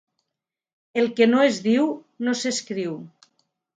El que no es diu, no s'escriu.